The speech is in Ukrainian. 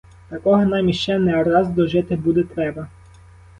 Такого нам іще не раз дожити буде треба.